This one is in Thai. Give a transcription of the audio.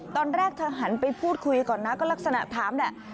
ตอนแรกเธอหันไปพูดคุยก่อนนะก็ลักษณะถามแหละ